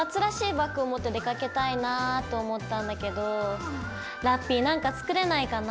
バッグを持って出かけたいなと思ったんだけどラッピィ何か作れないかな？